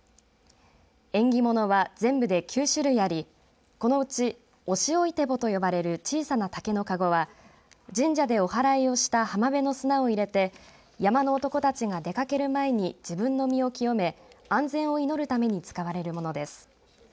縁起物は全部で９種類あり、このうちお汐井てぼと呼ばれる小さな竹のかごは神社でおはらいをした浜辺の砂を入れて山笠の男たちが出かける前に自分の身を清め安全を祈るために使われるものです。